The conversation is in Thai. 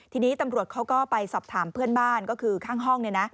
ทีนี้ตำรวจเขาก็ไปสอบถามเพื่อนบ้านก็คือข้างห้อง